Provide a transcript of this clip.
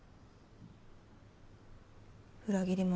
裏切り者。